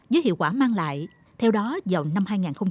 với hiệu quả mang lại theo đó vào năm hai nghìn một mươi tám